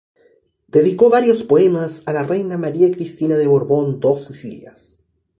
Dedicó varios poemas a la reina María Cristina de Borbón-Dos Sicilias.